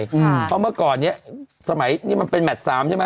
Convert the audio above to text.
เพราะเมื่อก่อนนี้สมัยนี้มันเป็นแมท๓ใช่ไหม